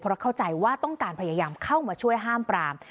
เพราะเข้าใจว่าต้องการพยายามเข้ามาช่วยห้ามปราม